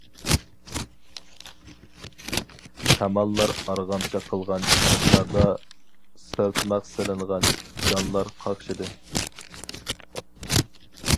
شاماللار ئارغامچا قىلغان چاچلاردا، سىرتماق سېلىنغان جانلار قاقشىدى.